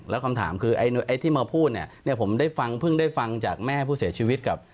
แล้วคำถามคือไอ้ที่มาพูดเนี่ยผมได้ฟังเพิ่งได้ฟังจากแม่ผู้เสียชีวิตกับ